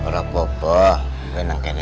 gak usah pak